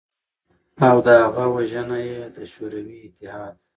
او د هغه وژنه ېې د شوروی اتحاد